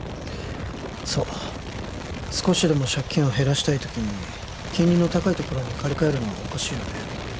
そう少しでも借金を減らしたい時に金利の高いところに借り換えるのはおかしいよね